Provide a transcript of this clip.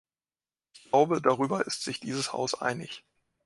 Ich glaube, darüber ist sich dieses Haus einig.